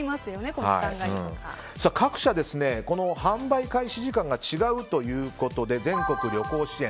各社、販売開始時間が違うということで全国旅行支援